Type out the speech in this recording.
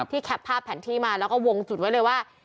แคปภาพแผนที่มาแล้วก็วงจุดไว้เลยว่า